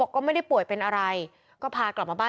ลูกนั่นแหละที่เป็นคนผิดที่ทำแบบนี้